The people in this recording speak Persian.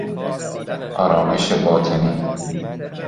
آرامش باطنی